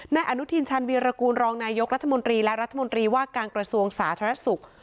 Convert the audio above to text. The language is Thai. นายอนุทินชาญวีรกูลรองนายกรัฐมนตรีและรัฐมนตรีว่าการกระทรวงสาธารณสุข